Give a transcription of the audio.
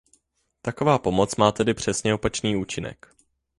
Taková pomoc má tedy přesně opačný účinek.